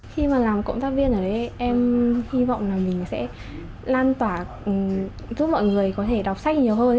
khi mà làm cộng tác viên ở đây em hy vọng là mình sẽ lan tỏa giúp mọi người có thể đọc sách nhiều hơn